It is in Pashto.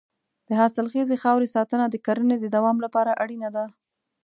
د حاصلخیزې خاورې ساتنه د کرنې د دوام لپاره اړینه ده.